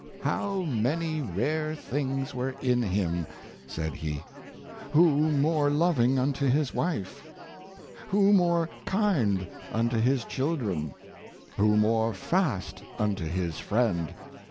" How many rare things were in him!" said Sustaining Power of Duty, 61 he. "Who more loving unto his wife? — Who more kind unto his children? — Who more fast unto his friend?